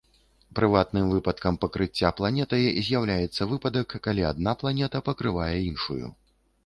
Прыватным выпадкам пакрыцця планетай з'яўляецца выпадак, калі адна планета пакрывае іншую.